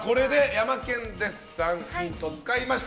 ヤマケン・デッサン使いました。